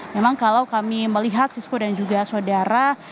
memang kalau kami melihat siswa dan juga saudara